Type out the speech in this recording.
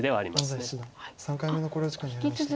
安斎七段３回目の考慮時間に入りました。